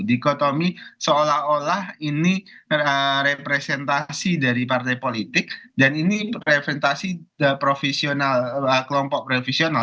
dikotomi seolah olah ini representasi dari partai politik dan ini representasi profesional kelompok previsional